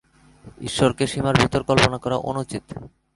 ঈশ্বরকে সীমার ভেতর কল্পনা করা অনুচিত।